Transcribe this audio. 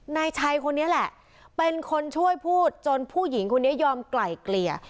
นายชัยคนนี้แหละเป็นคนช่วยพูดจนผู้หญิงคนนี้ยอมไกล่เกลี่ย